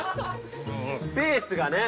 スペースがね